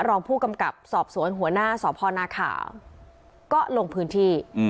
รองผู้กำกับสอบสวนหัวหน้าสพนาขาวก็ลงพื้นที่